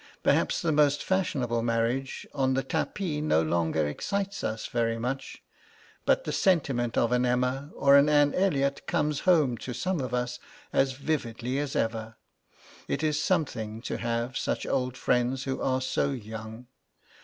Perhaps the most fashionable marriage on the tapis no longer excites us very much, but the sentiment of an Emma or an Anne Elliot comes home to some of us as vividly as ever. It is something to have such old friends who are so young.